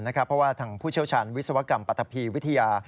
เพราะว่าทางผู้เชี่ยวชาญวิศวกรรมปรัฐภีวิทยา